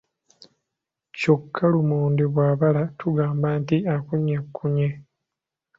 Kyokka lumonde bwabala tugamba nti akunyekkunye.